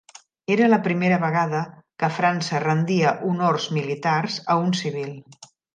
Era la primera vegada que França rendia honors militars a un civil.